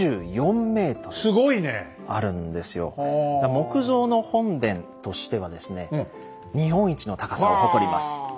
木造の本殿としてはですね日本一の高さを誇ります。